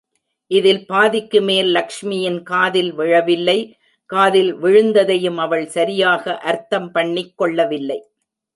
இதில் பாதிக்கு மேல் லக்ஷ்மியின் காதில் விழவில்லை காதில் விழுந்ததையும் அவள் சரியாக அர்த்தம் பண்ணிக் கொள்ளவில்லை.